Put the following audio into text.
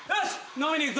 飲み行く？